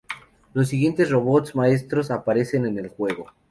Los siguientes Robots Maestros aparecen en el juego.